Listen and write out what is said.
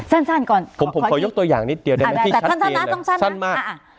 อืมสั้นก่อนผมขอยกตัวอย่างนิดเดียวได้ไหมที่ชัดเจนเลยสั้นนะต้องชั้นนะอ่าอ่า